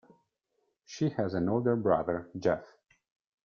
She has an older brother, Jeff.